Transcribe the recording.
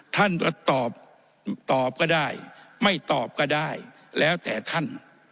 ท่านก็ตอบตอบก็ได้ไม่ตอบก็ได้แล้วแต่ท่าน